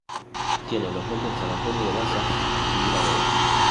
Tiene los nombres de San Antonio de Balsas y Vila Nova.